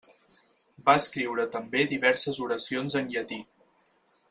Va escriure també diverses oracions en llatí.